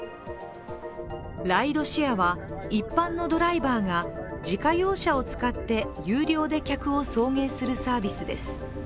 ライドシェアは、一般のドライバーが自家用車を使って有料で客を送迎するサービスです。